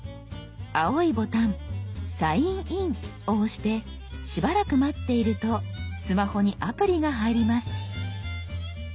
青いボタン「サインイン」を押してしばらく待っているとスマホにアプリが入ります。